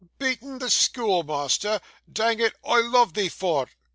Beatten the schoolmeasther! Dang it, I loov' thee for't.